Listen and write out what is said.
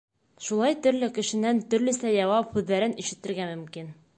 Шулай төрлө кешенән төрлөсә яуап һүҙҙәрен ишетергә мөмкин.